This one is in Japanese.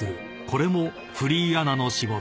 ［これもフリーアナの仕事］